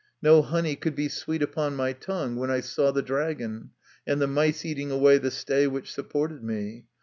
No honey could be sweet upon my tongue when I saw the dragon, and the mice eating away the stay which supported me.